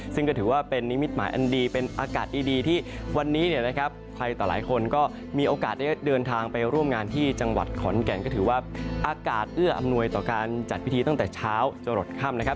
ซึ่งก็ถือว่าเป็นนิมิตหมายอันดีเป็นอากาศดีที่วันนี้เนี่ยนะครับใครต่อหลายคนก็มีโอกาสได้เดินทางไปร่วมงานที่จังหวัดขอนแก่นก็ถือว่าอากาศเอื้ออำนวยต่อการจัดพิธีตั้งแต่เช้าจะหลดค่ำนะครับ